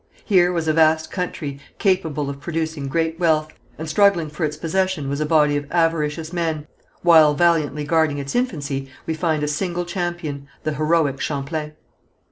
Here was a vast country, capable of producing great wealth, and struggling for its possession was a body of avaricious men, while valiantly guarding its infancy, we find a single champion, the heroic Champlain.